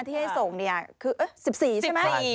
ที่ให้ส่งเนี่ยคือ๑๔ใช่ไหม